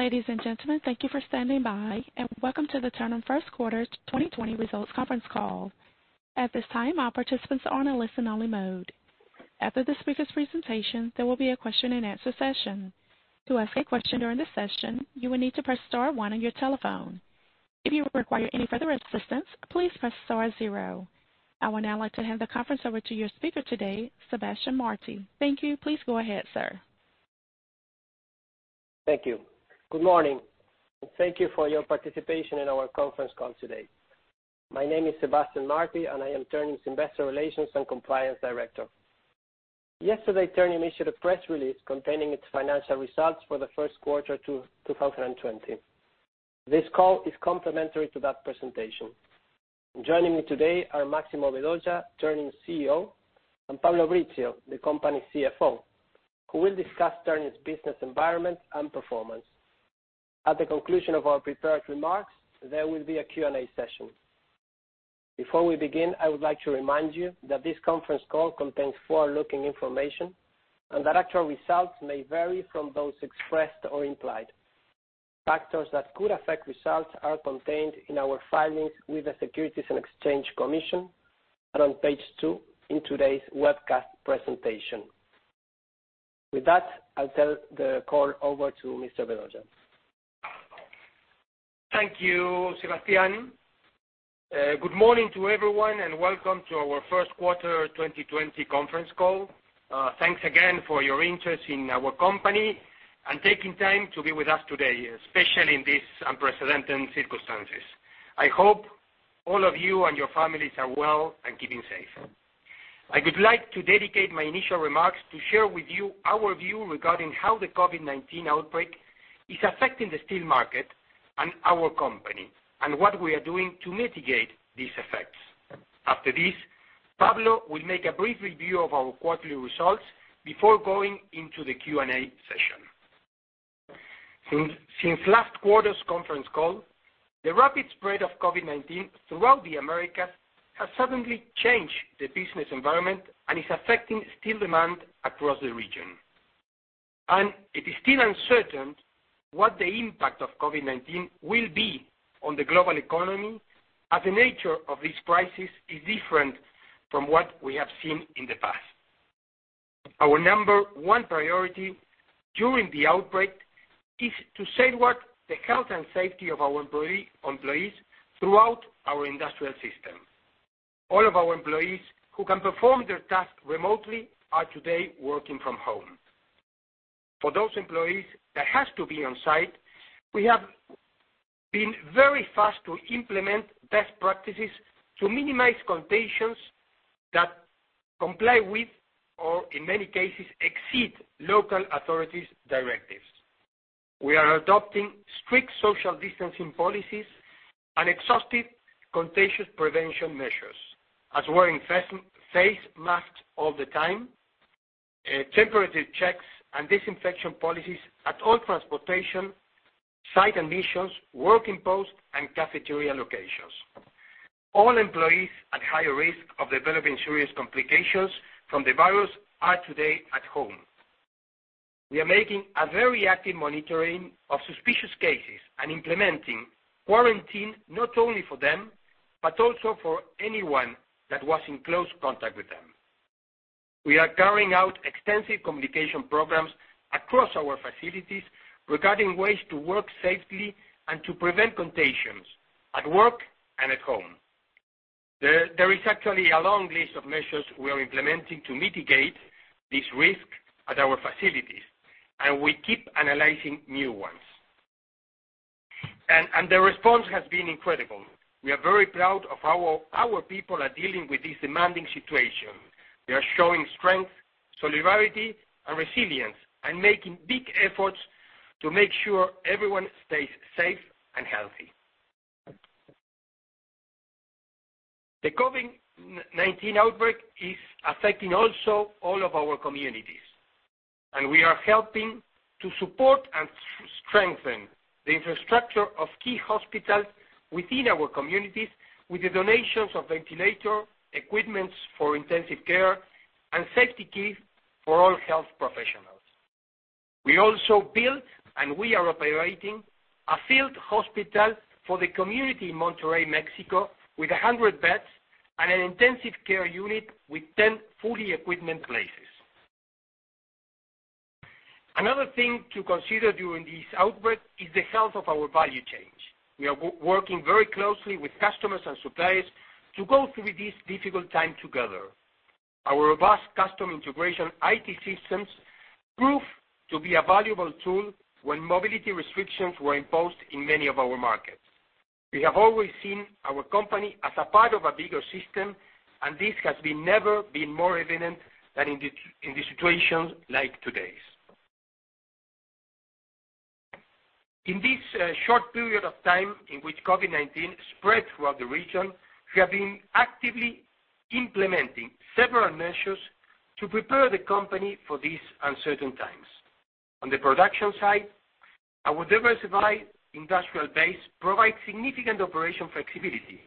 Ladies and gentlemen, thank you for standing by, and welcome to the Ternium First Quarter 2020 Results Conference Call. At this time, all participants are in a listen-only mode. After the speakers' presentation, there will be a question-and-answer session. To ask a question during the session, you will need to press star one on your telephone. If you require any further assistance, please press star zero. I would now like to hand the conference over to your speaker today, Sebastián Martí. Thank you. Please go ahead, sir. Thank you. Good morning, and thank you for your participation in our conference call today. My name is Sebastián Martí, and I am Ternium's Investor Relations and Compliance Director. Yesterday, Ternium issued a press release containing its financial results for the first quarter 2020. This call is complementary to that presentation. Joining me today are Máximo Vedoya, Ternium's CEO, and Pablo Brizzio, the company's CFO, who will discuss Ternium's business environment and performance. At the conclusion of our prepared remarks, there will be a Q&A session. Before we begin, I would like to remind you that this conference call contains forward-looking information and that actual results may vary from those expressed or implied. Factors that could affect results are contained in our filings with the Securities and Exchange Commission and on page two in today's webcast presentation. With that, I'll turn the call over to Mr. Vedoya. Thank you, Sebastián. Good morning to everyone, and welcome to our first quarter 2020 conference call. Thanks again for your interest in our company and taking time to be with us today, especially in these unprecedented circumstances. I hope all of you and your families are well and keeping safe. I would like to dedicate my initial remarks to share with you our view regarding how the COVID-19 outbreak is affecting the steel market and our company, and what we are doing to mitigate these effects. After this, Pablo will make a brief review of our quarterly results before going into the Q&A session. Since last quarter's conference call, the rapid spread of COVID-19 throughout the Americas has suddenly changed the business environment and is affecting steel demand across the region. It is still uncertain what the impact of COVID-19 will be on the global economy, as the nature of this crisis is different from what we have seen in the past. Our number one priority during the outbreak is to safeguard the health and safety of our employees throughout our industrial system. All of our employees who can perform their tasks remotely are today working from home. For those employees that have to be on site, we have been very fast to implement best practices to minimize contagions that comply with, or in many cases, exceed local authorities' directives. We are adopting strict social distancing policies and exhaustive contagion prevention measures, as wearing face masks all the time, temperature checks, and disinfection policies at all transportation, site admissions, working posts, and cafeteria locations. All employees at higher risk of developing serious complications from the virus are today at home. We are making a very active monitoring of suspicious cases and implementing quarantine not only for them, but also for anyone that was in close contact with them. We are carrying out extensive communication programs across our facilities regarding ways to work safely and to prevent contagions at work and at home. There is actually a long list of measures we are implementing to mitigate this risk at our facilities, and we keep analyzing new ones. The response has been incredible. We are very proud of how our people are dealing with this demanding situation. They are showing strength, solidarity, and resilience, and making big efforts to make sure everyone stays safe and healthy. The COVID-19 outbreak is affecting also all of our communities, and we are helping to support and strengthen the infrastructure of key hospitals within our communities with the donations of ventilator equipment for intensive care and safety kits for all health professionals. We also built and we are operating a field hospital for the community in Monterrey, Mexico, with 100 beds and an intensive care unit with 10 fully equipped places. Another thing to consider during this outbreak is the health of our value chains. We are working very closely with customers and suppliers to go through this difficult time together. Our robust custom integration IT systems proved to be a valuable tool when mobility restrictions were imposed in many of our markets. We have always seen our company as a part of a bigger system, and this has never been more evident than in the situations like today's. In this short period of time in which COVID-19 spread throughout the region, we have been actively implementing several measures to prepare the company for these uncertain times. On the production side, our diversified industrial base provides significant operation flexibility,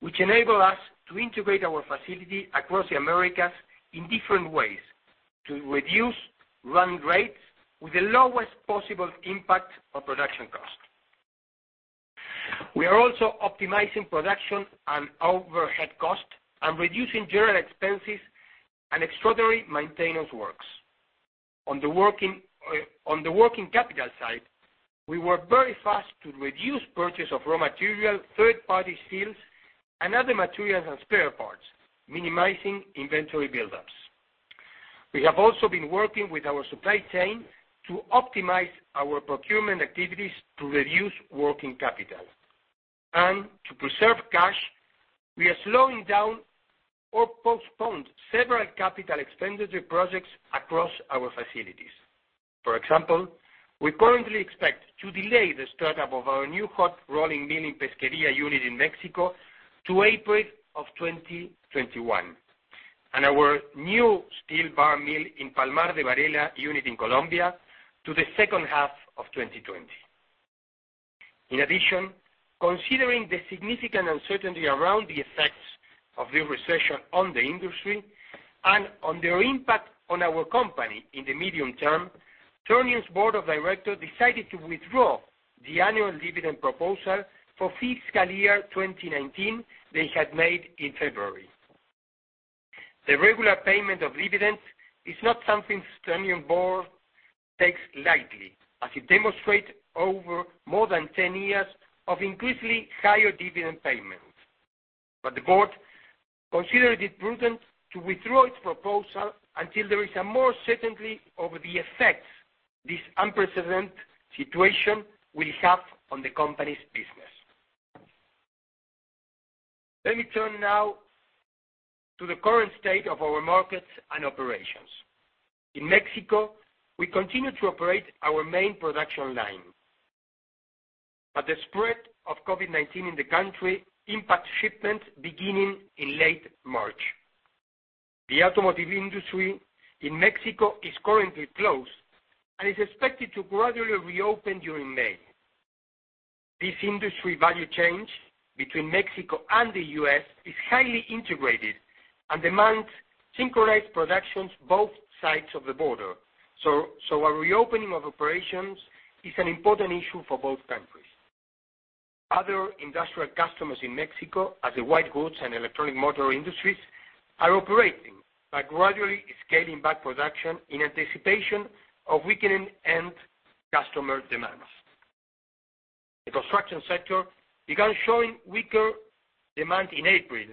which enables us to integrate our facilities across the Americas in different ways, to reduce run rates with the lowest possible impact on production cost. We are also optimizing production and overhead cost, and reducing general expenses and extraordinary maintenance works. On the working capital side, we work very fast to reduce purchase of raw material, third-party steels, and other materials and spare parts, minimizing inventory buildups. We have also been working with our supply chain to optimize our procurement activities to reduce working capital. To preserve cash, we are slowing down or postponing several capital expenditure projects across our facilities. For example, we currently expect to delay the startup of our new hot-rolling mill Pesquería unit in Mexico to April 2021, and our new steel bar mill in Palmar de Varela unit in Colombia to the second half of 2020. Considering the significant uncertainty around the effects of the recession on the industry and on their impact on our company in the medium term, Ternium's Board of Directors decided to withdraw the annual dividend proposal for fiscal year 2019 they had made in February. The regular payment of dividends is not something Ternium Board takes lightly, as it demonstrate over more than 10 years of increasingly higher dividend payments. The Board considered it prudent to withdraw its proposal until there is a more certainty over the effect this unprecedented situation will have on the company's business. Let me turn now to the current state of our markets and operations. In Mexico, we continue to operate our main production line. The spread of COVID-19 in the country impacted shipments beginning in late March. The automotive industry in Mexico is currently closed and is expected to gradually reopen during May. This industry value chain between Mexico and the U.S. is highly integrated and demands synchronized productions both sides of the border. A reopening of operations is an important issue for both countries. Other industrial customers in Mexico, such as the white goods and electronic motor industries, are operating by gradually scaling back production in anticipation of weakening end customer demands. The construction sector began showing weaker demand in April,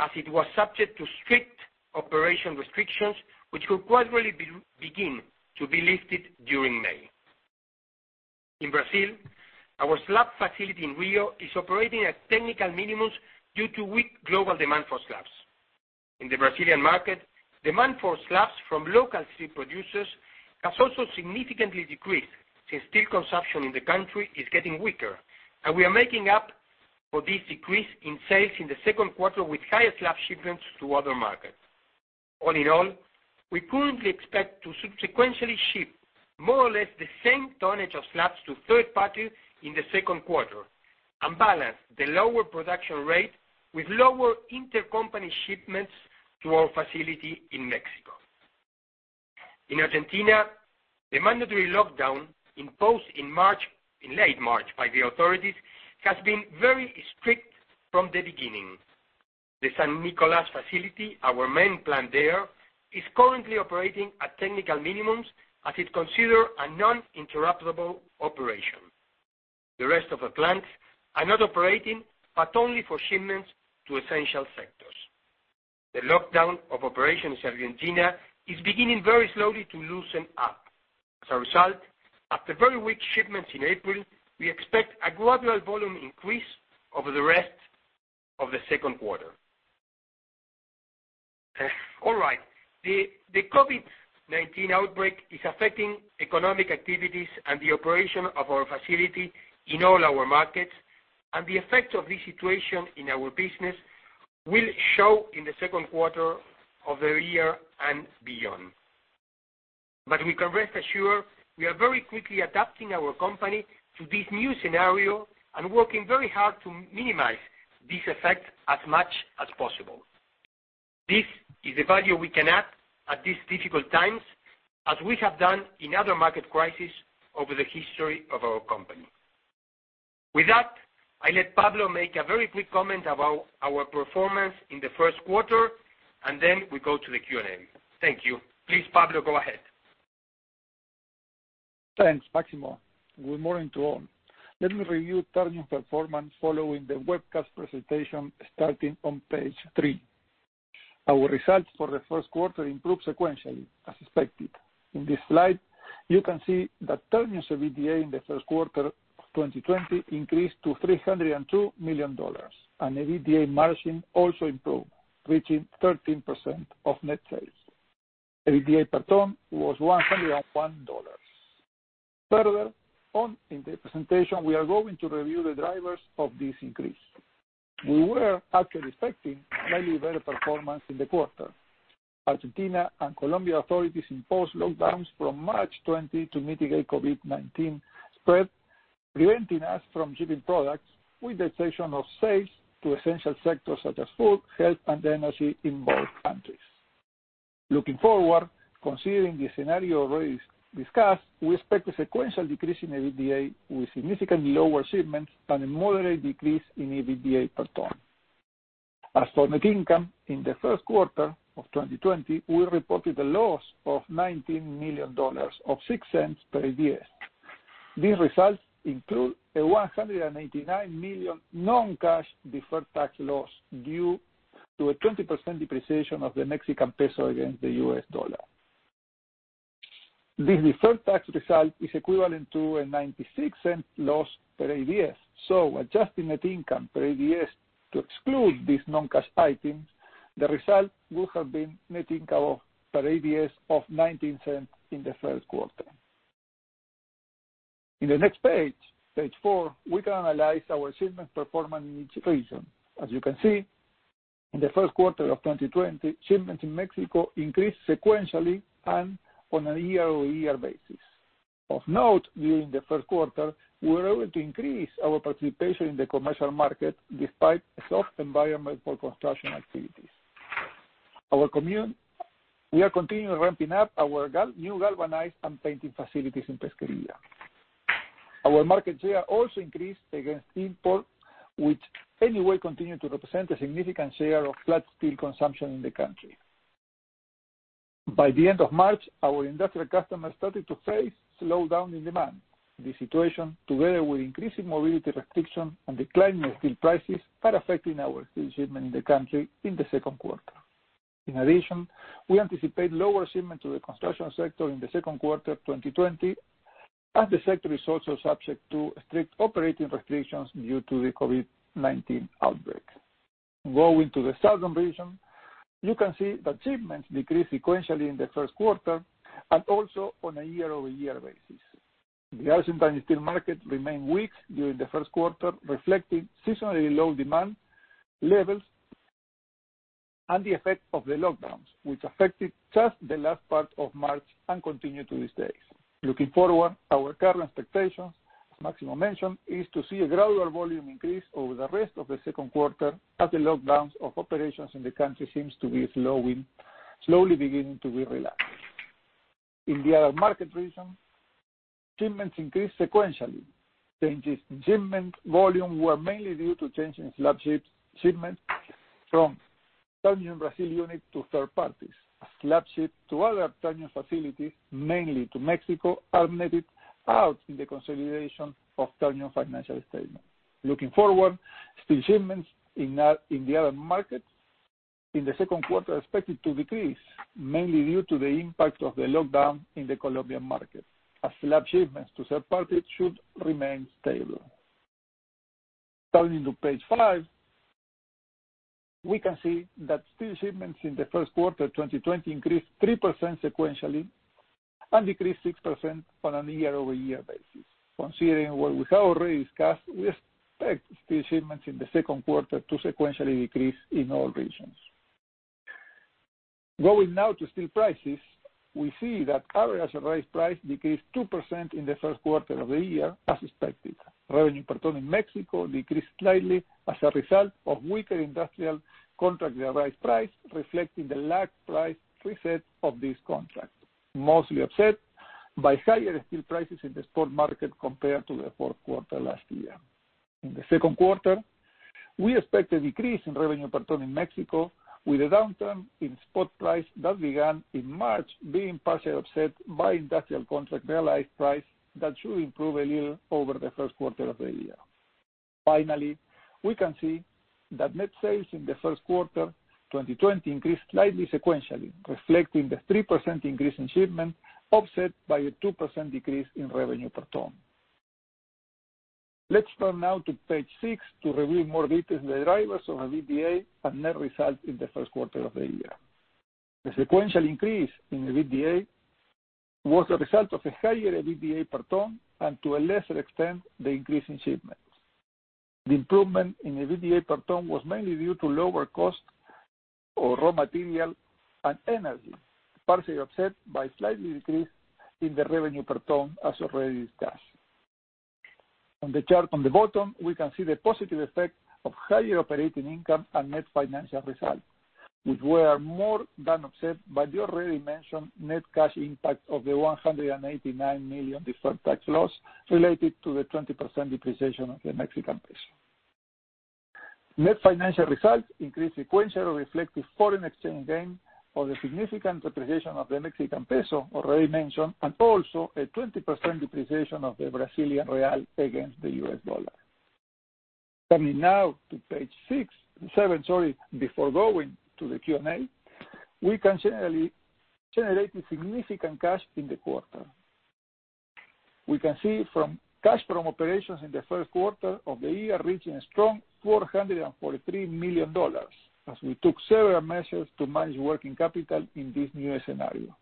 as it was subject to strict operation restrictions, which could gradually begin to be lifted during May. In Brazil, our slab facility in Rio is operating at technical minimums due to weak global demand for slabs. In the Brazilian market, demand for slabs from local steel producers has also significantly decreased, since steel consumption in the country is getting weaker. We are making up for this decrease in sales in the second quarter with higher slab shipments to other markets. All in all, we currently expect to sequentially ship more or less the same tonnage of slabs to third party in the second quarter and balance the lower production rate with lower intercompany shipments to our facility in Mexico. In Argentina, the mandatory lockdown imposed in late March by the authorities has been very strict from the beginning. The San Nicolas facility, our main plant there, is currently operating at technical minimums as it considers a non-interruptible operation. The rest of the plants are not operating, but only for shipments to essential sectors. The lockdown of operations in Argentina is beginning very slowly to loosen up. After very weak shipments in April, we expect a gradual volume increase over the rest of the second quarter. All right. The COVID-19 outbreak is affecting economic activities and the operation of our facility in all our markets. The effect of this situation in our business will show in the second quarter of the year and beyond. We can rest assured, we are very quickly adapting our company to this new scenario and working very hard to minimize this effect as much as possible. This is the value we can add at these difficult times, as we have done in other market crises over the history of our company. With that, I let Pablo make a very quick comment about our performance in the first quarter, and then we go to the Q&A. Thank you. Please, Pablo, go ahead. Thanks, Máximo. Good morning to all. Let me review Ternium's performance following the webcast presentation, starting on page three. Our results for the first quarter improved sequentially, as expected. In this slide, you can see that Ternium's EBITDA in the first quarter of 2020 increased to $302 million, and EBITDA margin also improved, reaching 13% of net sales. EBITDA per ton was $101. Further on in the presentation, we are going to review the drivers of this increase. We were actually expecting a slightly better performance in the quarter. Argentina and Colombia authorities imposed lockdowns from March 20 to mitigate COVID-19 spread, preventing us from shipping products with the exception of sales to essential sectors such as food, health, and energy in both countries. Looking forward, considering the scenario already discussed, we expect a sequential decrease in EBITDA with significantly lower shipments and a moderate decrease in EBITDA per ton. As for net income, in the first quarter of 2020, we reported a loss of $19 million, or $0.06 per ADS. These results include a $189 million non-cash deferred tax loss due to a 20% depreciation of the Mexican peso against the U.S. dollar. This deferred tax result is equivalent to a $0.96 loss per ADS. Adjusting net income per ADS to exclude these non-cash items, the result would have been net income per ADS of $0.19 in the first quarter. In the next page four, we can analyze our shipment performance in each region. As you can see, in the first quarter of 2020, shipments in Mexico increased sequentially and on a year-over-year basis. Of note, during the first quarter, we were able to increase our participation in the commercial market despite a soft environment for construction activities. We are continually ramping up our new galvanized and painting facilities in Pesquería. Our market share also increased against import, which anyway continued to represent a significant share of flat steel consumption in the country. By the end of March, our industrial customers started to face slowdown in demand. This situation, together with increasing mobility restrictions and declining steel prices, are affecting our steel shipments in the country in the second quarter. In addition, we anticipate lower shipments to the construction sector in the second quarter of 2020, as the sector is also subject to strict operating restrictions due to the COVID-19 outbreak. Going to the southern region, you can see that shipments decreased sequentially in the first quarter and also on a year-over-year basis. The Argentine steel market remained weak during the first quarter, reflecting seasonally low demand levels and the effect of the lockdowns, which affected just the last part of March and continue to this day. Looking forward, our current expectations, as Máximo mentioned, is to see a gradual volume increase over the rest of the second quarter as the lockdowns of operations in the country seems to be slowly beginning to be relaxed. In the other market regions, shipments increased sequentially. Changes in shipment volume were mainly due to changes in slab shipments from Ternium Brasil unit to third parties, as slab ships to other Ternium facilities, mainly to Mexico, are netted out in the consolidation of Ternium financial statements. Looking forward, steel shipments in the other markets in the second quarter are expected to decrease, mainly due to the impact of the lockdown in the Colombian market, as slab shipments to third parties should remain stable. Turning to page five, we can see that steel shipments in the first quarter 2020 increased 3% sequentially and decreased 6% on a year-over-year basis. Considering what we have already discussed, we expect steel shipments in the second quarter to sequentially decrease in all regions. Going now to steel prices, we see that average realized price decreased 2% in the first quarter of the year, as expected. Revenue per ton in Mexico decreased slightly as a result of weaker industrial contract realized price, reflecting the lagged price reset of this contract, mostly offset by higher steel prices in the spot market compared to the fourth quarter last year. In the second quarter, we expect a decrease in revenue per ton in Mexico, with a downturn in spot price that began in March being partially offset by industrial contract realized price that should improve a little over the first quarter of the year. We can see that net sales in the first quarter 2020 increased slightly sequentially, reflecting the 3% increase in shipments offset by a 2% decrease in revenue per ton. Let's turn now to page six to review in more detail the drivers of EBITDA and net results in the first quarter of the year. The sequential increase in EBITDA was a result of a higher EBITDA per ton and to a lesser extent, the increase in shipments. The improvement in EBITDA per ton was mainly due to lower cost of raw material and energy, partially offset by slight decrease in the revenue per ton, as already discussed. On the chart on the bottom, we can see the positive effect of higher operating income and net financial results, which were more than offset by the already mentioned net cash impact of the $189 million deferred tax loss related to the 20% depreciation of the Mexican peso. Net financial results increased sequentially to reflect the foreign exchange gain of the significant depreciation of the Mexican peso already mentioned, also a 20% depreciation of the Brazilian real against the U.S. dollar. Coming now to page seven, before going to the Q&A, we generated significant cash in the quarter. We can see from cash from operations in the first quarter of the year reaching a strong $443 million, as we took several measures to manage working capital in this new scenario,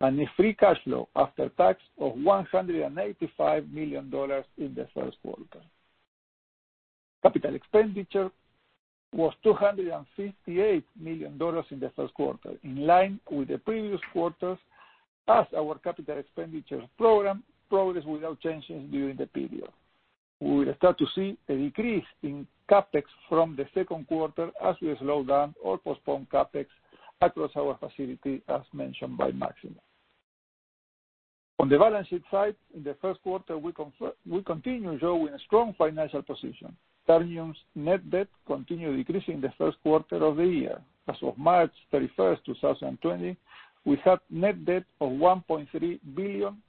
and a free cash flow after tax of $185 million in the first quarter. Capital expenditure was $258 million in the first quarter, in line with the previous quarters, as our capital expenditures program progressed without changes during the period. We will start to see a decrease in CapEx from the second quarter as we slow down or postpone CapEx across our facility, as mentioned by Máximo. On the balance sheet side, in the first quarter, we continue showing a strong financial position. Ternium's net debt continued decreasing in the first quarter of the year. As of March 31st, 2020, we had net debt of $1.3 billion,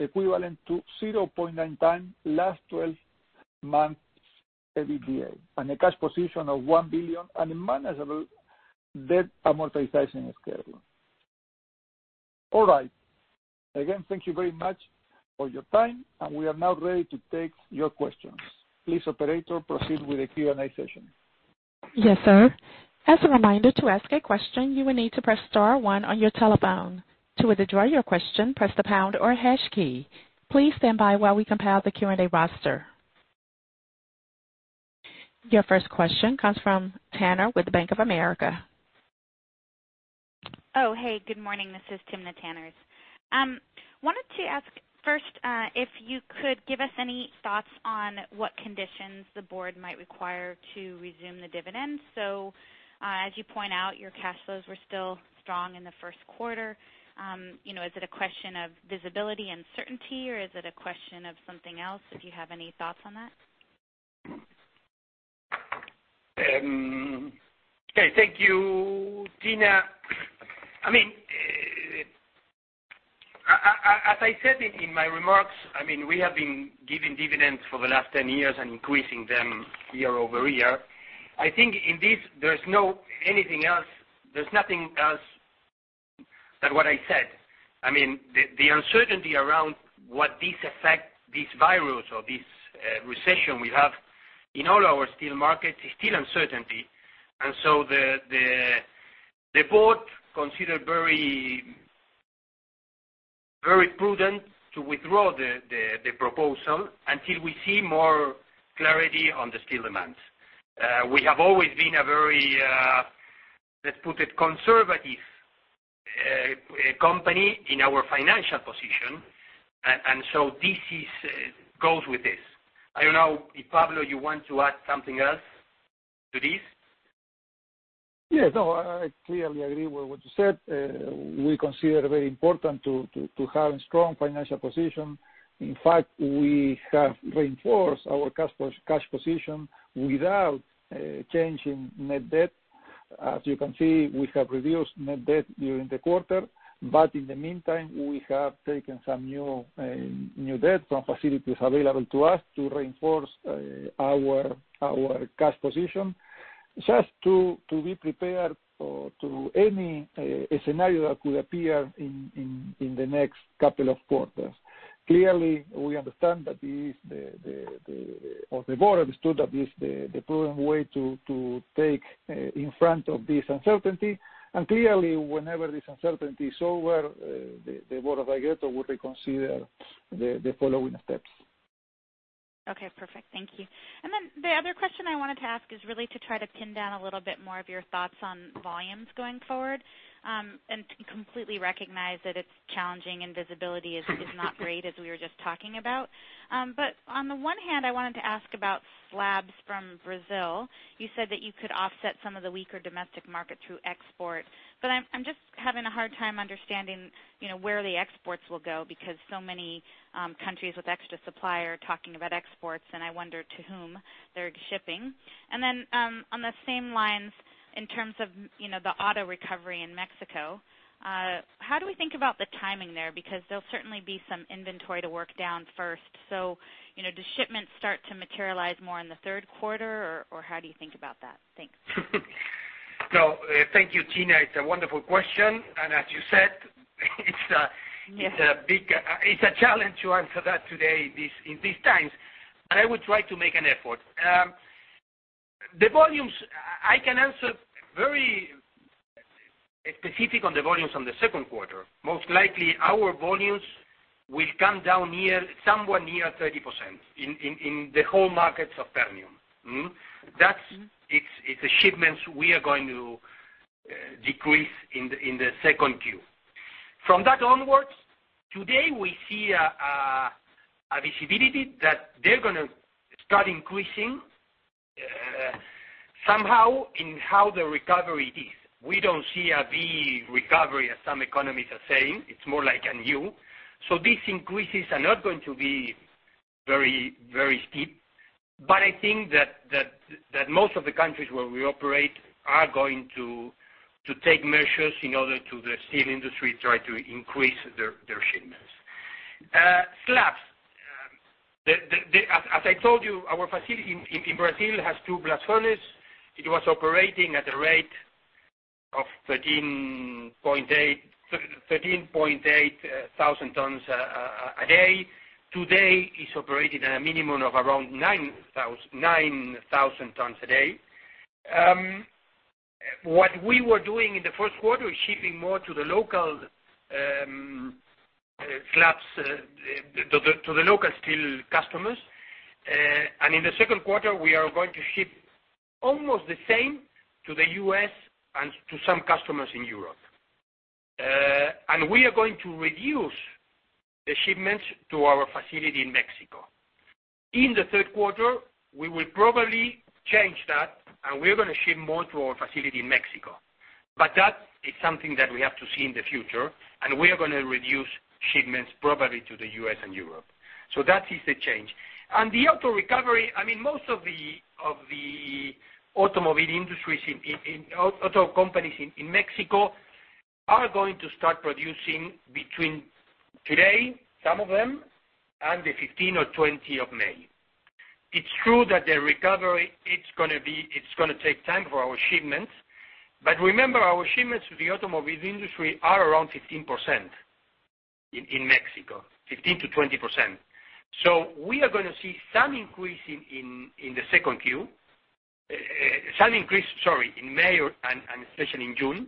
equivalent to 0.9 times last 12 months EBITDA, and a cash position of $1 billion and a manageable debt amortization schedule. All right. Again, thank you very much for your time, and we are now ready to take your questions. Please, operator, proceed with the Q&A session. Yes, sir. As a reminder, to ask a question, you will need to press star one on your telephone. To withdraw your question, press the pound or hash key. Please stand by while we compile the Q&A roster. Your first question comes from TimnaTanners with the Bank of America. Oh, hey, good morning. This is Timna Tanners. Wanted to ask first if you could give us any thoughts on what conditions the board might require to resume the dividends. As you point out, your cash flows were still strong in the first quarter. Is it a question of visibility and certainty, or is it a question of something else, if you have any thoughts on that? Okay, thank you, Timna. As I said in my remarks, we have been giving dividends for the last 10 years and increasing them year-over-year. I think in this, there's nothing else than what I said. The uncertainty around what this effect, this virus or this recession will have in all our steel markets is still uncertainty. The board consider very prudent to withdraw the proposal until we see more clarity on the steel demands. We have always been a very, let's put it, conservative company in our financial position. This goes with this. I don't know if, Pablo, you want to add something else to this? Yes. No, I clearly agree with what you said. We consider it very important to have a strong financial position. In fact, we have reinforced our cash position without changing net debt. As you can see, we have reduced net debt during the quarter. In the meantime, we have taken some new debt from facilities available to us to reinforce our cash position, just to be prepared to any scenario that could appear in the next two quarters. Clearly, the board understood that this is the prudent way to take in front of this uncertainty. Clearly, whenever this uncertainty is over, the board of directors would reconsider the following steps. Okay, perfect. Thank you. The other question I wanted to ask is really to try to pin down a little bit more of your thoughts on volumes going forward. Completely recognize that it's challenging and visibility is not great, as we were just talking about. On the one hand, I wanted to ask about slabs from Brazil. You said that you could offset some of the weaker domestic market through export, but I'm just having a hard time understanding where the exports will go, because so many countries with extra supply are talking about exports, and I wonder to whom they're shipping. On the same lines, in terms of the auto recovery in Mexico, how do we think about the timing there? Because there'll certainly be some inventory to work down first. Do shipments start to materialize more in the third quarter, or how do you think about that? Thanks. Thank you, Timna. It's a wonderful question. As you said, it's a big. Yes It's a challenge to answer that today in these times. I will try to make an effort. The volumes, I can answer very specific on the volumes on the second quarter. Most likely our volumes will come down somewhat near 30% in the whole markets of Ternium. It's the shipments we are going to decrease in the second Q. From that onwards, today we see a visibility that they're going to start increasing somehow in how the recovery is. We don't see a V recovery as some economies are saying. It's more like an U. These increases are not going to be very steep. I think that most of the countries where we operate are going to take measures in order to the steel industry try to increase their shipments. Slabs. As I told you, our facility in Brazil has two blast furnace. It was operating at a rate of 13,800 tons a day. Today, it's operating at a minimum of around 9,000 tons a day. What we were doing in the first quarter is shipping more to the local steel customers. In the second quarter, we are going to ship almost the same to the U.S. and to some customers in Europe. We are going to reduce the shipments to our facility in Mexico. In the third quarter, we will probably change that, and we're going to ship more to our facility in Mexico. That is something that we have to see in the future, and we are going to reduce shipments probably to the U.S. and Europe. That is the change. The auto recovery, most of the auto companies in Mexico are going to start producing between today, some of them, and the 15th or 20th of May. It's true that the recovery, it's going to take time for our shipments. Remember, our shipments to the automobile industry are around 15% in Mexico, 15%-20%. We are going to see some increase in May and especially in June.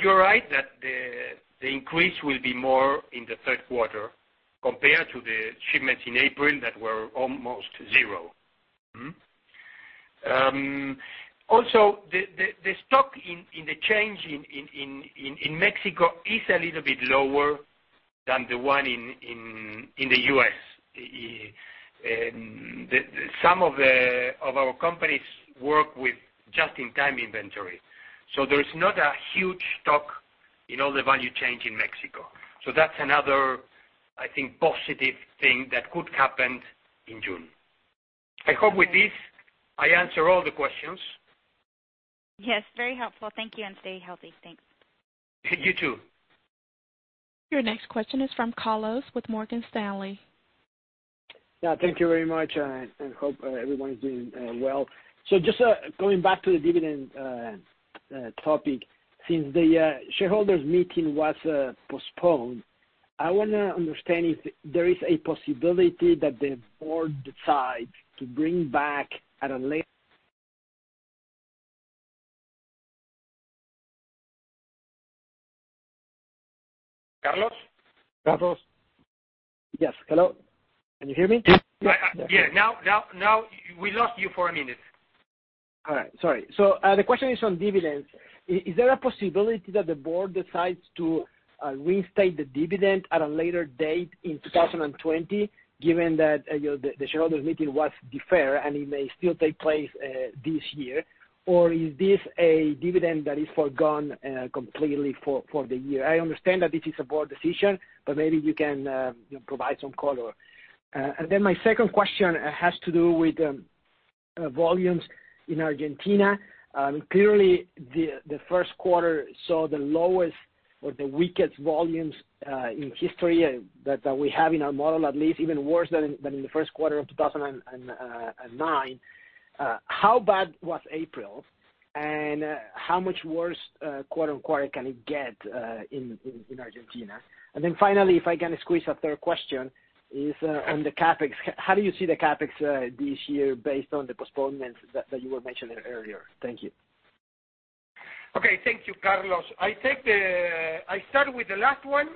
You're right that the increase will be more in the third quarter compared to the shipments in April that were almost zero. Also, the stock in the change in Mexico is a little bit lower than the one in the U.S. Some of our companies work with just-in-time inventory. There is not a huge stock in all the value change in Mexico. That's another, I think, positive thing that could happen in June. I hope with this, I answer all the questions. Yes, very helpful. Thank you, and stay healthy. Thanks. You too. Your next question is from Carlos with Morgan Stanley. Yeah, thank you very much, and hope everyone is doing well. Just going back to the dividend topic. Since the shareholders' meeting was postponed, I want to understand if there is a possibility that the board decides to bring back at a later- Carlos? Carlos? Yes. Hello? Can you hear me? Yeah. We lost you for a minute. All right. Sorry. The question is on dividends. Is there a possibility that the board decides to reinstate the dividend at a later date in 2020, given that the shareholders' meeting was deferred and it may still take place this year? Is this a dividend that is forgone completely for the year? I understand that this is a board decision, but maybe you can provide some color. My second question has to do with volumes in Argentina. Clearly, the first quarter saw the lowest or the weakest volumes in history that we have in our model, at least even worse than in the first quarter of 2009. How bad was April, and how much worse, quote unquote, can it get in Argentina? Finally, if I can squeeze a third question, is on the CapEx. How do you see the CapEx this year based on the postponements that you were mentioning earlier? Thank you. Okay. Thank you, Carlos. I start with the last one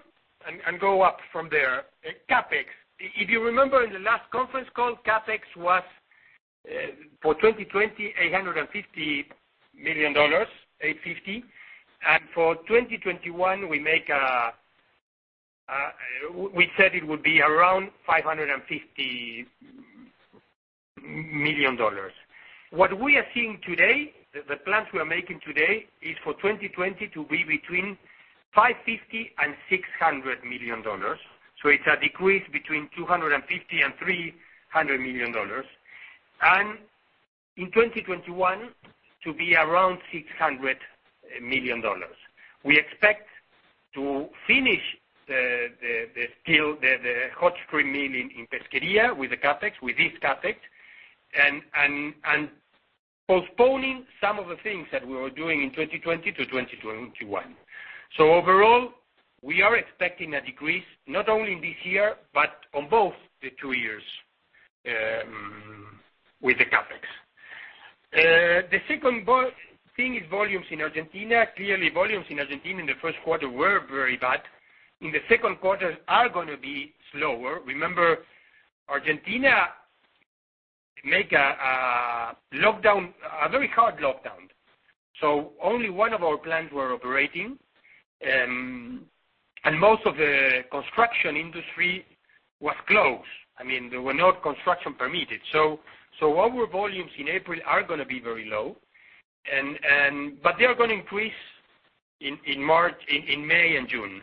and go up from there. CapEx. If you remember in the last conference call, CapEx was for 2020, $850 million, $850. For 2021, we said it would be around $550 million. What we are seeing today, the plans we're making today, is for 2020 to be between $550-$600 million. It's a decrease between $250-$300 million. In 2021, to be around $600 million. We expect to finish the hot strip mill in Pesquería with this CapEx, and postponing some of the things that we were doing in 2020-2021. Overall, we are expecting a decrease not only in this year, but on both the two years with the CapEx. The second thing is volumes in Argentina. Clearly, volumes in Argentina in the first quarter were very bad. In the second quarter are going to be slower. Remember, Argentina make a very hard lockdown. Only one of our plants were operating, and most of the construction industry was closed. There were no construction permitted. Our volumes in April are going to be very low, but they are going to increase in May and June.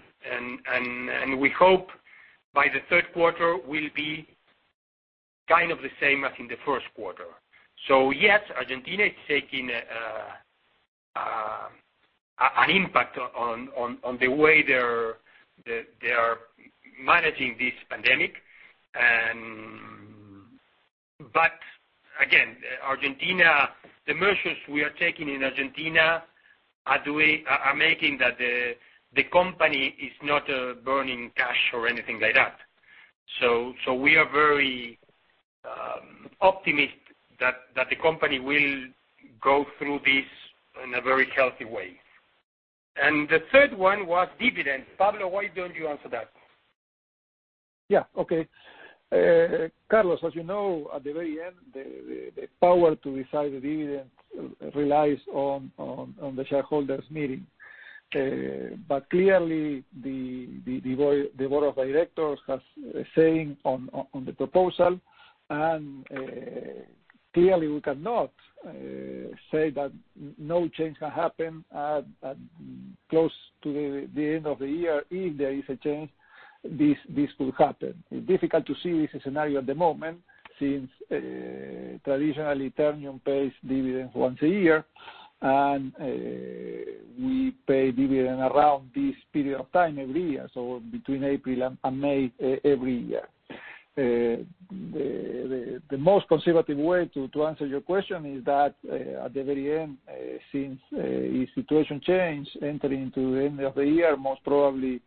We hope by the third quarter will be kind of the same as in the first quarter. Yes, Argentina is taking an impact on the way they are managing this pandemic. Again, Argentina, the measures we are taking in Argentina are making that the company is not burning cash or anything like that. We are very optimist that the company will go through this in a very healthy way. The third one was dividends. Pablo, why don't you answer that? Yeah. Okay. Carlos, as you know, at the very end, the power to decide the dividends relies on the shareholders' meeting. Clearly, the board of directors has a say on the proposal, and clearly we cannot say that no change can happen at close to the end of the year. If there is a change, this will happen. It's difficult to see this scenario at the moment since, traditionally, Ternium pays dividends once a year, and we pay dividend around this period of time every year. Between April and May every year. The most conservative way to answer your question is that at the very end, since if situation change entering into the end of the year, most probably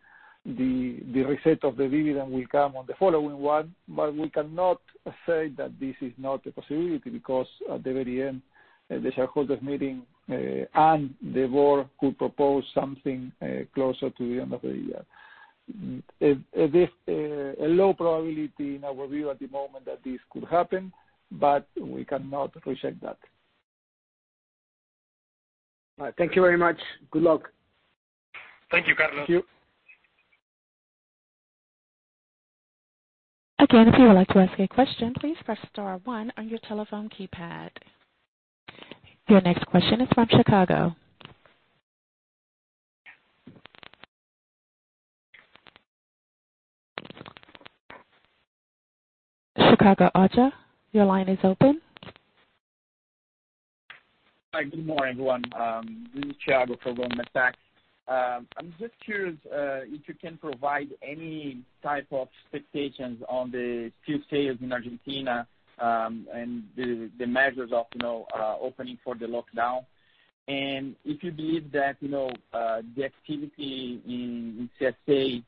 the reset of the dividend will come on the following one. We cannot say that this is not a possibility, because at the very end, the shareholders' meeting, and the board could propose something closer to the end of the year. A low probability in our view at the moment that this could happen, but we cannot reject that. All right. Thank you very much. Good luck. Thank you, Carlos. Thank you. If you would like to ask a question, please press star one on your telephone keypad. Your next question is from Thiago. Thiago Ojea, your line is open. Hi. Good morning, everyone. This is Thiago from Goldman Sachs . I'm just curious if you can provide any type of expectations on the steel sales in Argentina, and the measures of opening for the lockdown. If you believe that the activity in CSA,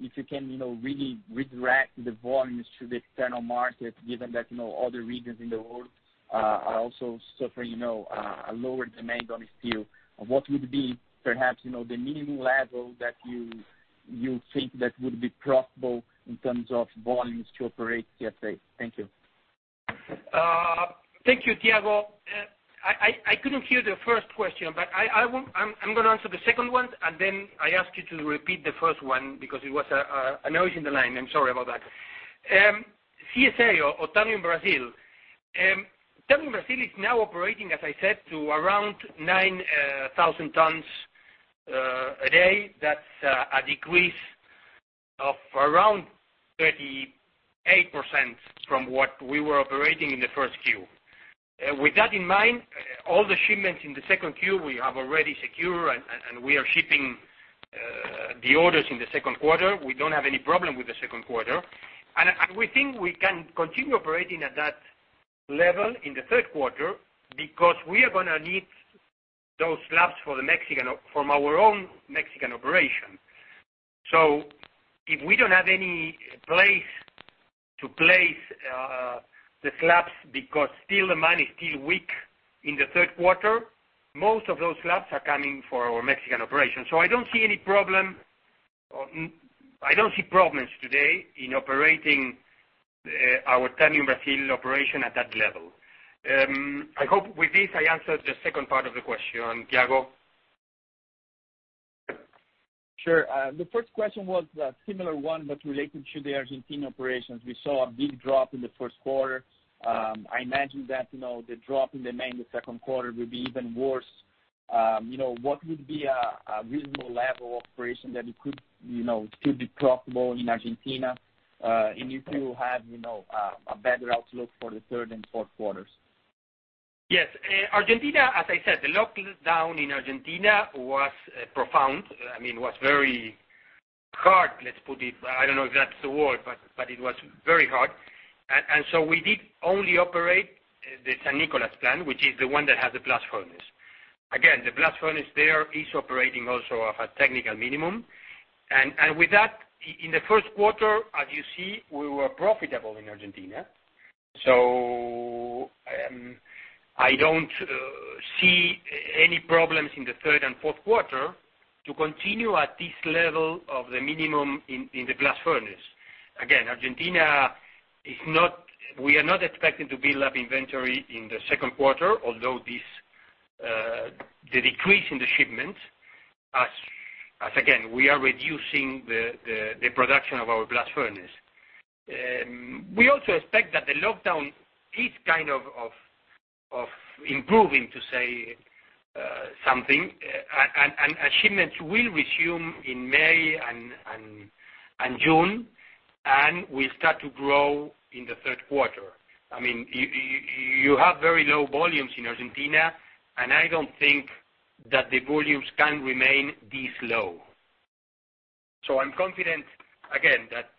if you can really redirect the volumes to the external market, given that other regions in the world are also suffering a lower demand on steel. What would be perhaps the minimum level that you think that would be profitable in terms of volumes to operate CSA? Thank you. Thank you, Thiago. I couldn't hear the first question, but I'm going to answer the second one, then I ask you to repeat the first one because it was a noise in the line. I'm sorry about that. CSA or Ternium Brasil. Ternium Brasil is now operating, as I said, to around 9,000 tons a day. That's a decrease of around 38% from what we were operating in the first Q. With that in mind, all the shipments in the second Q, we have already secure, and we are shipping the orders in the second quarter. We don't have any problem with the second quarter. We think we can continue operating at that level in the third quarter because we are going to need those slabs from our own Mexican operation. If we don't have any place to place the slabs because the demand is still weak in the third quarter, most of those slabs are coming for our Mexican operation. I don't see problems today in operating our Ternium Brasil operation at that level. I hope with this I answered the second part of the question, Thiago. Sure. The first question was a similar one but related to the Argentine operations. We saw a big drop in the first quarter. I imagine that the drop in demand in the second quarter will be even worse. What would be a reasonable level operation that it could be profitable in Argentina, and if you have a better outlook for the third and fourth quarters? Yes. Argentina, as I said, the lockdown in Argentina was profound. It was very hard, let's put it. I don't know if that's the word, but it was very hard. So we did only operate the San Nicolas plant, which is the one that has the blast furnace. Again, the blast furnace there is operating also off a technical minimum. With that, in the first quarter, as you see, we were profitable in Argentina, so I don't see any problems in the third and fourth quarter to continue at this level of the minimum in the blast furnace. Again, Argentina, we are not expecting to build up inventory in the second quarter, although the decrease in the shipment, as again, we are reducing the production of our blast furnace. We also expect that the lockdown is kind of improving, to say something, and shipments will resume in May and June, and will start to grow in the third quarter. You have very low volumes in Argentina, and I don't think that the volumes can remain this low. I'm confident again that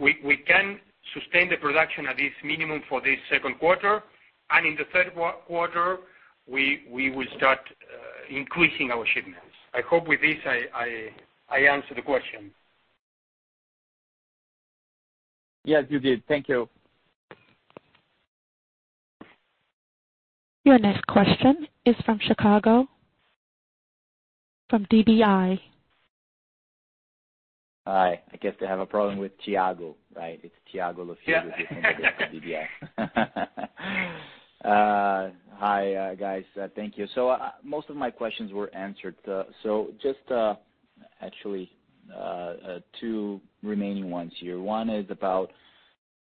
We can sustain the production at this minimum for the second quarter, and in the third quarter, we will start increasing our shipments. I hope with this I answered the question. Yes, you did. Thank you. Your next question is from Thiago Lofiego, from Bradesco BBI. Hi. I guess they have a problem with Thiago, right? It's Thiago Lofiego with Bradesco BBI. Hi, guys. Thank you. Most of my questions were answered. Just, actually, two remaining ones here. One is about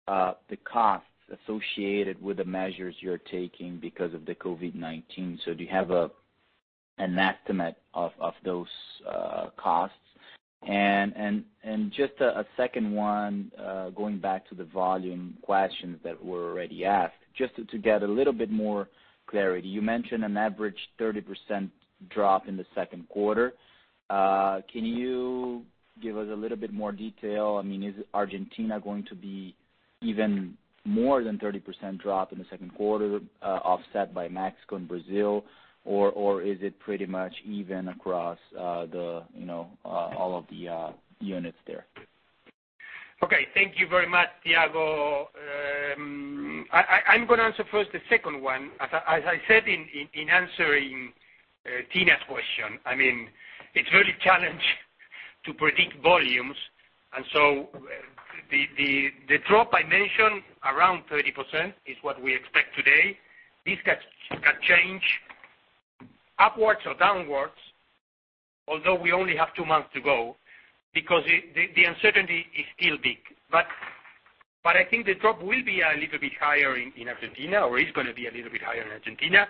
the costs associated with the measures you're taking because of the COVID-19. Do you have an estimate of those costs? Just a second one, going back to the volume questions that were already asked, just to get a little bit more clarity. You mentioned an average 30% drop in the second quarter. Can you give us a little bit more detail? Is Argentina going to be even more than 30% drop in the second quarter, offset by Mexico and Brazil? Is it pretty much even across all of the units there? Okay. Thank you very much, Thiago. I'm going to answer first the second one. As I said in answering Timna's question, it's really challenging to predict volumes. The drop I mentioned, around 30%, is what we expect today. This can change upwards or downwards, although we only have two months to go, because the uncertainty is still big. I think the drop will be a little bit higher in Argentina or is going to be a little bit higher in Argentina.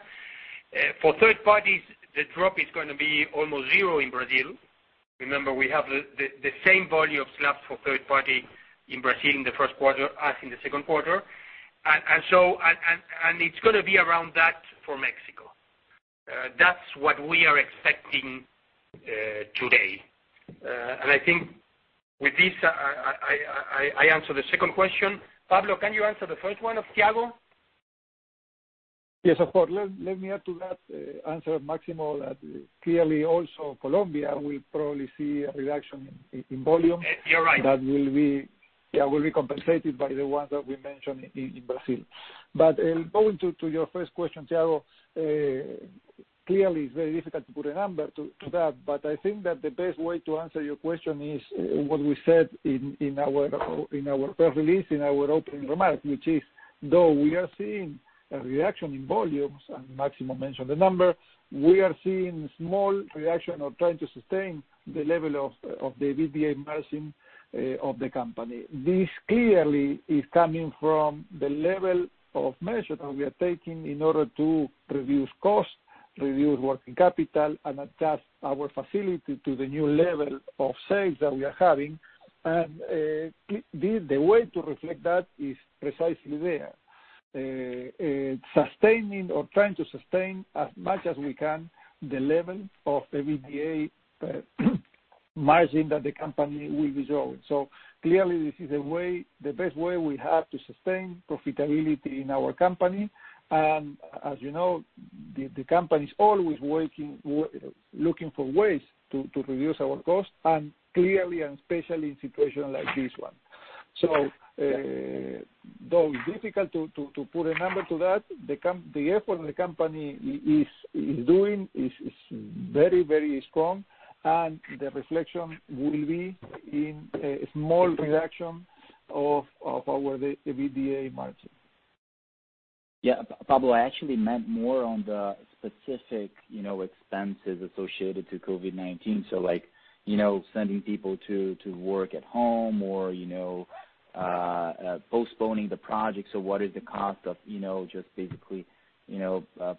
For third parties, the drop is going to be almost zero in Brazil. Remember, we have the same volume of slabs for third party in Brazil in the first quarter as in the second quarter. It's going to be around that for Mexico. That's what we are expecting today. I think with this, I answer the second question. Pablo, can you answer the first one of Thiago? Yes, of course. Let me add to that answer, Máximo Vedoya. Clearly, also Colombia will probably see a reduction in volume. You're right. that will be compensated by the ones that we mentioned in Brazil. Going to your first question, Thiago, clearly it's very difficult to put a number to that. I think that the best way to answer your question is what we said in our press release, in our opening remarks, which is, though we are seeing a reduction in volumes, and Máximo mentioned the number, we are seeing small reduction or trying to sustain the level of the EBITDA margin of the company. This clearly is coming from the level of measure that we are taking in order to reduce costs, reduce working capital, and adjust our facility to the new level of sales that we are having. The way to reflect that is precisely there. Sustaining or trying to sustain as much as we can the level of the EBITDA margin that the company will resolve. Clearly, this is the best way we have to sustain profitability in our company. As you know, the company is always looking for ways to reduce our costs, and clearly and especially in situation like this one. Though it's difficult to put a number to that, the effort the company is doing is very strong, and the reflection will be in a small reduction of our EBITDA margin. Pablo, I actually meant more on the specific expenses associated to COVID-19. Like, sending people to work at home or postponing the project. What is the cost of just basically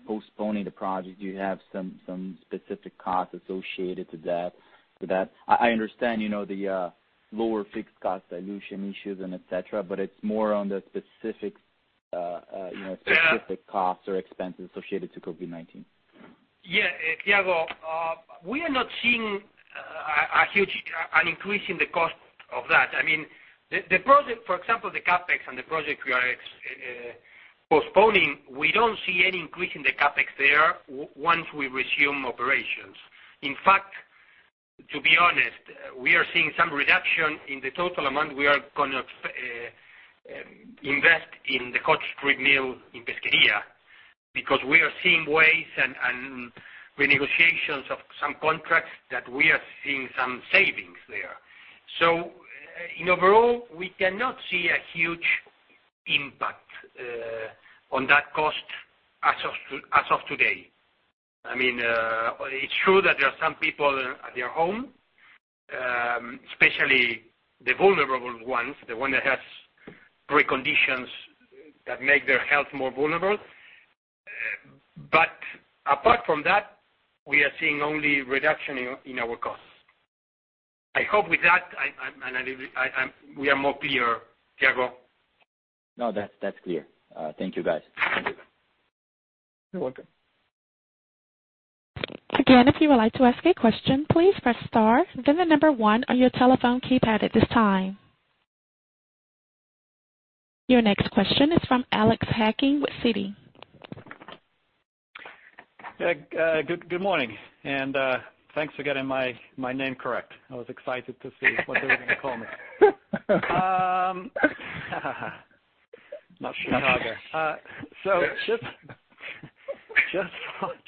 postponing the project? Do you have some specific costs associated to that? I understand the lower fixed cost dilution issues and et cetera. It's more on the specific costs or expenses associated to COVID-19. Yeah, Thiago Lofiego. We are not seeing a huge increase in the cost of that. For example, the CapEx and the project we are postponing, we don't see any increase in the CapEx there once we resume operations. In fact, to be honest, we are seeing some reduction in the total amount we are going to invest in the cold-rolling mill in Pesquería, because we are seeing ways and renegotiations of some contracts that we are seeing some savings there. In overall, we cannot see a huge impact on that cost as of today. It's true that there are some people at their home, especially the vulnerable ones, the one that has preconditions that make their health more vulnerable. Apart from that, we are seeing only reduction in our costs. I hope with that we are more clear, Thiago. No, that's clear. Thank you, guys. You're welcome. Again, if you would like to ask a question, please press star then the number 1 on your telephone keypad at this time. Your next question is from Alexander Hacking with Citi. Good morning, and thanks for getting my name correct. I was excited to see what they were going to call me. Not Thiago.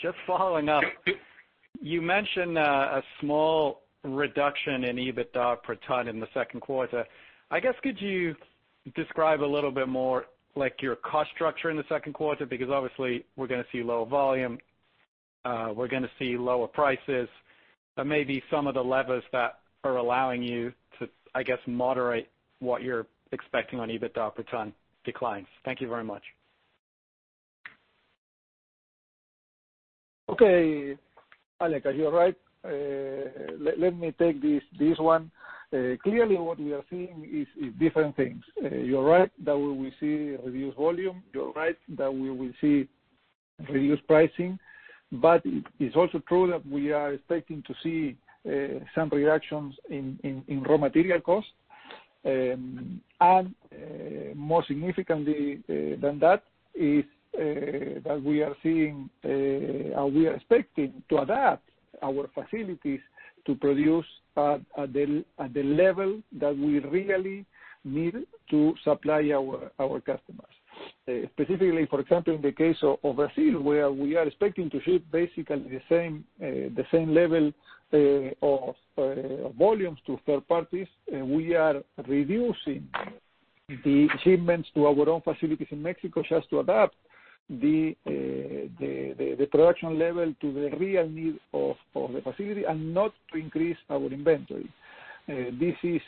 Just following up, you mentioned a small reduction in EBITDA per ton in the second quarter. I guess could you describe a little bit more your cost structure in the second quarter? Obviously we're going to see lower volume, we're going to see lower prices, but maybe some of the levers that are allowing you to, I guess, moderate what you're expecting on EBITDA per ton declines. Thank you very much. Okay, Alex, are you all right? Let me take this one. Clearly, what we are seeing is different things. You're right that we will see reduced volume. You're right that we will see reduced pricing. It's also true that we are expecting to see some reductions in raw material costs. More significantly than that, is that we are expecting to adapt our facilities to produce at the level that we really need to supply our customers. Specifically, for example, in the case of Brazil, where we are expecting to ship basically the same level of volumes to third parties, we are reducing the shipments to our own facilities in Mexico just to adapt the production level to the real needs of the facility and not to increase our inventory. This is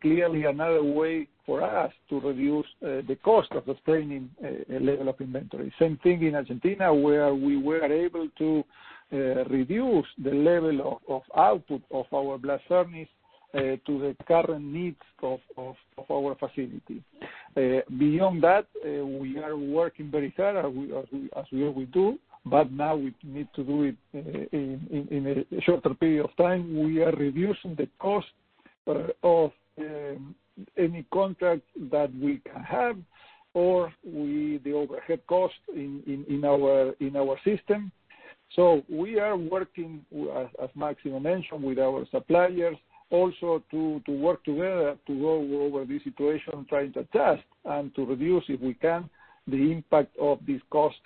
clearly another way for us to reduce the cost of sustaining a level of inventory. Same thing in Argentina, where we were able to reduce the level of output of our blast furnace to the current needs of our facility. Beyond that, we are working very hard, as we always do, but now we need to do it in a shorter period of time. We are reducing the cost of any contract that we can have, or the overhead cost in our system. We are working, as Máximo mentioned, with our suppliers also to work together to go over this situation, trying to adjust and to reduce, if we can, the impact of this cost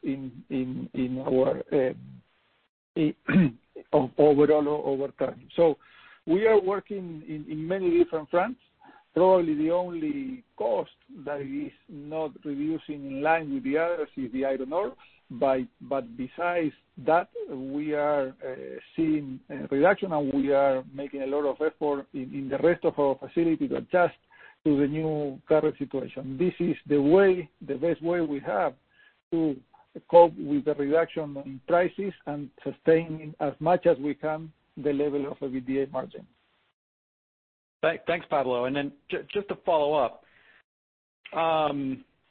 overall over time. We are working in many different fronts. Probably the only cost that is not reducing in line with the others is the iron ore, but besides that, we are seeing a reduction, and we are making a lot of effort in the rest of our facility to adjust to the new current situation. This is the best way we have to cope with the reduction in prices and sustain as much as we can the level of EBITDA margin. Thanks, Pablo. Just to follow up,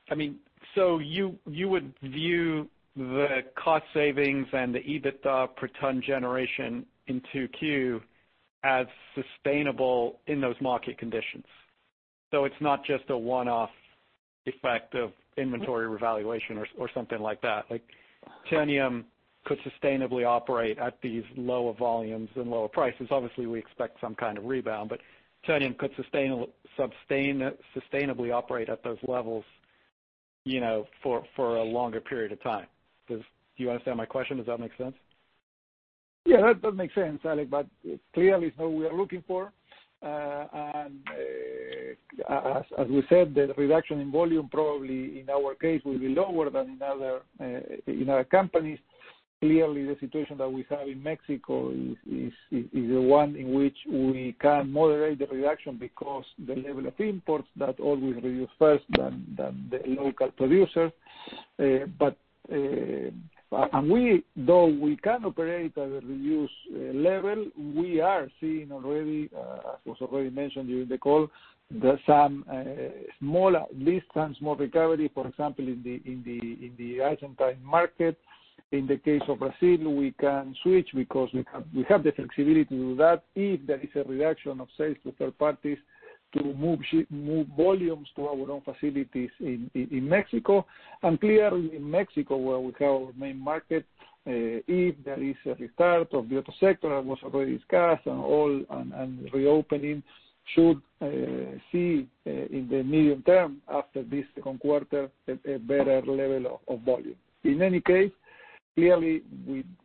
you would view the cost savings and the EBITDA per ton generation in 2Q as sustainable in those market conditions. It's not just a one-off effect of inventory revaluation or something like that. Ternium could sustainably operate at these lower volumes and lower prices. Obviously, we expect some kind of rebound, Ternium could sustainably operate at those levels for a longer period of time. Do you understand my question? Does that make sense? Yeah, that makes sense, Alex, clearly it's not what we're looking for. As we said, the reduction in volume probably, in our case, will be lower than in other companies. Clearly, the situation that we have in Mexico is one in which we can moderate the reduction because the level of imports that all will reduce first than the local producer. Though we can operate at a reduced level, we're seeing already, as was already mentioned during the call, some small recovery, for example, in the Argentine market. In the case of Brazil, we can switch because we have the flexibility to do that if there is a reduction of sales to third parties to move volumes to our own facilities in Mexico. Clearly in Mexico, where we have our main market, if there is a restart of the auto sector, as was already discussed, and reopening should see in the medium term after this second quarter a better level of volume. In any case, clearly,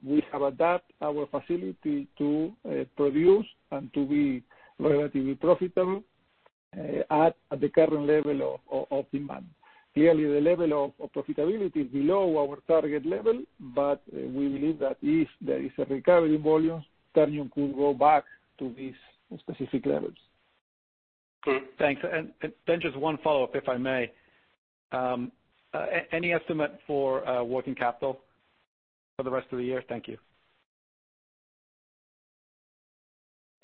we have adapted our facility to produce and to be relatively profitable at the current level of demand. Clearly, the level of profitability is below our target level, but we believe that if there is a recovery in volumes, Ternium could go back to these specific levels. Great. Thanks. Then just one follow-up, if I may. Any estimate for working capital for the rest of the year? Thank you.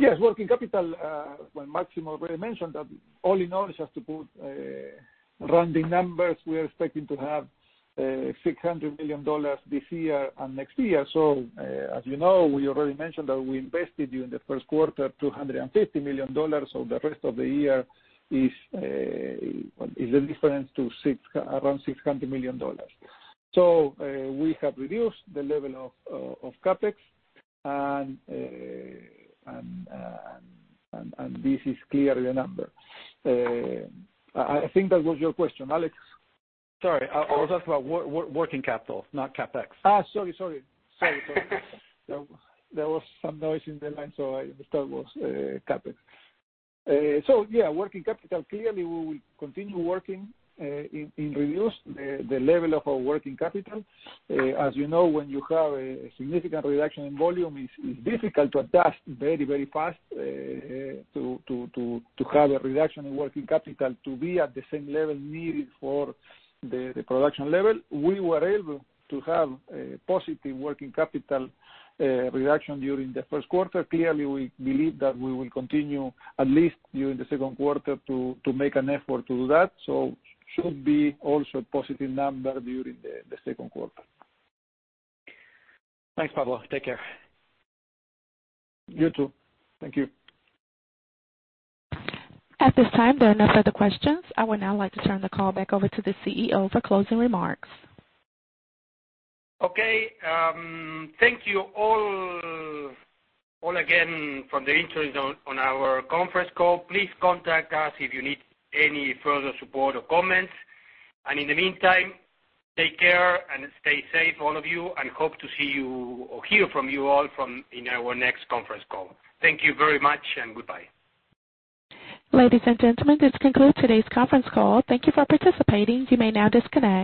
Yes. Working capital, when Máximo already mentioned that all in all, just to put rounding numbers, we are expecting to have $600 million this year and next year. As you know, we already mentioned that we invested during the first quarter $250 million. The rest of the year is the difference to around $600 million. We have reduced the level of CapEx, and this is clearly a number. I think that was your question, Alex. Sorry, I was asking about working capital, not CapEx. Sorry. There was some noise in the line, I understood it was CapEx. Working capital, we will continue working in reduce the level of our working capital. As you know, when you have a significant reduction in volume, it's difficult to adapt very fast to have a reduction in working capital to be at the same level needed for the production level. We were able to have a positive working capital reduction during the first quarter. We believe that we will continue, at least during the second quarter, to make an effort to do that. It should be also a positive number during the second quarter. Thanks, Pablo. Take care. You too. Thank you. At this time, there are no further questions. I would now like to turn the call back over to the CEO for closing remarks. Okay. Thank you all again for the interest on our conference call. Please contact us if you need any further support or comments. In the meantime, take care and stay safe, all of you, and hope to see you or hear from you all in our next conference call. Thank you very much, and goodbye. Ladies and gentlemen, this concludes today's conference call. Thank you for participating. You may now disconnect.